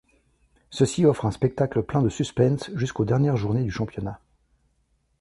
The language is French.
Ceci offre un spectacle plein de suspens jusqu'aux dernières journées du championnat.